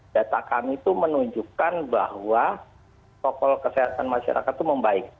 data kami itu menunjukkan bahwa protokol kesehatan masyarakat itu membaik